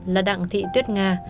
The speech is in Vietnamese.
là đặng thị tuyết nga